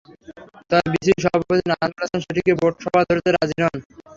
তবে বিসিবি সভাপতি নাজমুল হাসান সেটিকে বোর্ড সভা ধরতে রাজি নন।